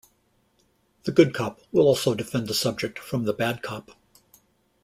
The good cop will also defend the subject from the bad cop.